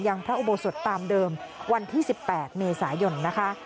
พระอุโบสถตามเดิมวันที่๑๘เมษายนนะคะ